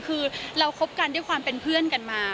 คือเราคบกันด้วยความเป็นเพื่อนกันมา